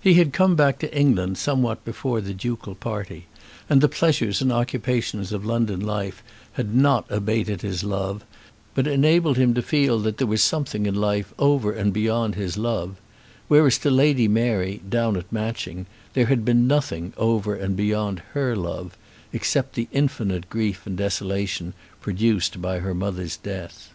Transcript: He had come back to England somewhat before the ducal party, and the pleasures and occupations of London life had not abated his love, but enabled him to feel that there was something in life over and beyond his love; whereas to Lady Mary, down at Matching, there had been nothing over and beyond her love except the infinite grief and desolation produced by her mother's death.